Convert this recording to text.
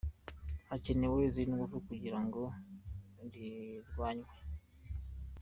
Hakenewe izindi ngufu kugira ngo rirwanywe.